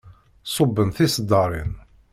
Ṣubben tiseddaṛin.